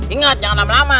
ingat jangan lama lama